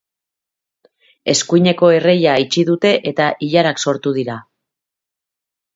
Eskuineko erreia itxi dute eta ilarak sortu dira.